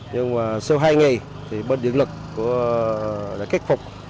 nhưng mà sau hai ngày thì bên điện lực đã khách phục